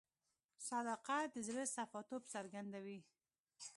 صداقت د زړه صفا توب څرګندوي.